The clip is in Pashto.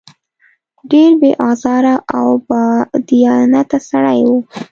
ډېر بې آزاره او بادیانته سړی و.